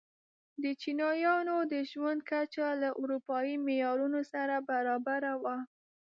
د چینایانو د ژوند کچه له اروپايي معیارونو سره برابره وه.